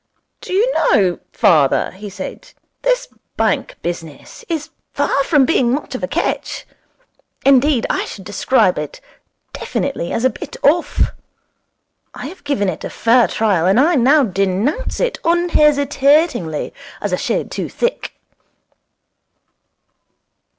'Do you know, father,' he said, 'this bank business is far from being much of a catch. Indeed, I should describe it definitely as a bit off. I have given it a fair trial, and I now denounce it unhesitatingly as a shade too thick.'